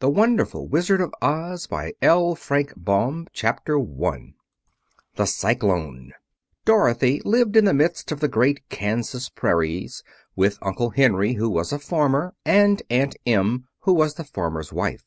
The Wonderful Wizard of Oz Chapter I The Cyclone Dorothy lived in the midst of the great Kansas prairies, with Uncle Henry, who was a farmer, and Aunt Em, who was the farmer's wife.